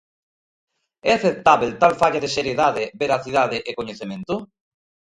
É aceptábel tal falla de seriedade, veracidade e coñecemento?